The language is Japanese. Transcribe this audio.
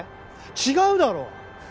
違うだろ？